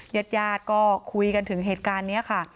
เย็ดก็คุยกันถึงเหตุการณ์นี้ค่ะ